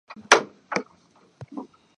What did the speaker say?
日本・永瀬貴規の準決勝が始まりました。